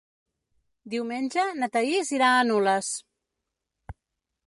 Diumenge na Thaís irà a Nules.